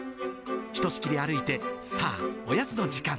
ひとしきり歩いて、さあ、おやつの時間。